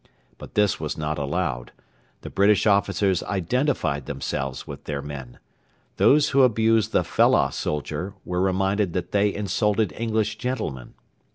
But this was not allowed. The British officers identified themselves with their men. Those who abused the fellah soldier were reminded that they insulted English gentlemen.